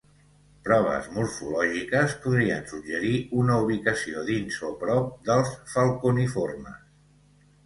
Proves morfològiques podrien suggerir una ubicació dins o prop dels Falconiformes.